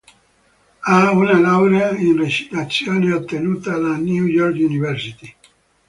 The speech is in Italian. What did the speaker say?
Ha una laurea in recitazione, ottenuta alla New York University.